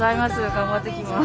頑張ってきます。